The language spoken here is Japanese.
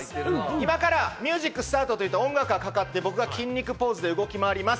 今からミュージックスタート！と言って、音楽がかかって、僕が筋肉ポーズで動き回ります。